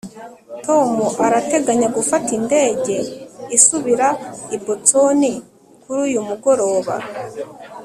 tom arateganya gufata indege isubira i boston kuri uyu mugoroba